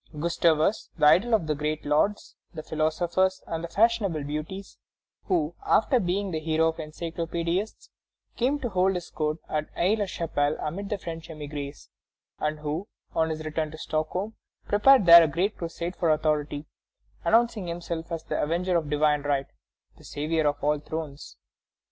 Gustavus, the idol of the great lords, the philosophers, and the fashionable beauties, who, after being the hero of the encyclopædists, came to hold his court at Aix la Chapelle amid the French émigrés, and who, on his return to Stockholm, prepared there the great crusade for authority, announcing himself as the avenger of divine right, the saviour of all thrones?